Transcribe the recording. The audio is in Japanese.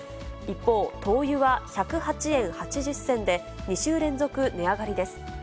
一方、灯油は１０８円８０銭で２週連続値上がりです。